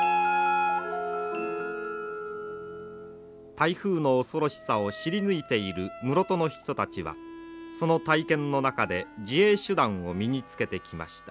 台風の恐ろしさを知り抜いている室戸の人たちはその体験の中で自衛手段を身につけてきました。